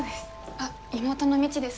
あっ妹の未知です。